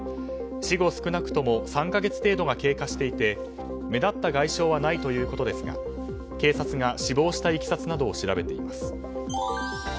死後、少なくとも３か月程度が経過していて目立った外傷はないということですが警察が死亡したいきさつなどを調べています。